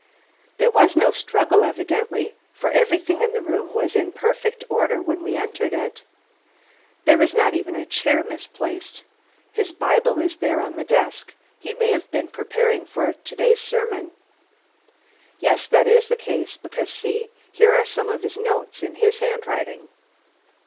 "There was no struggle, evidently, for everything in the room was in perfect order when we entered it." "There is not even a chair misplaced. His Bible is there on the desk, he may have been preparing for to day's sermon." "Yes, that is the case; because see, here are some notes in his handwriting."